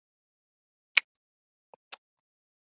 ځغاسته د خپلو غوښتنو پوره کولو وسیله ده